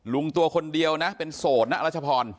ตัวคนเดียวนะเป็นโสดนะรัชพร